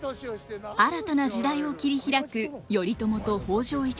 新たな時代を切り開く頼朝と北条一族。